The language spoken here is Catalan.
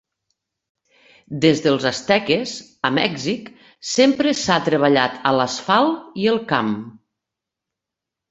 Des dels Asteques, a Mèxic sempre s'ha treballat a l'asfalt i el camp.